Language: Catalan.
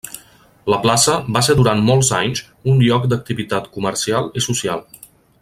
La plaça va ser durant molts anys un lloc d'activitat comercial i social.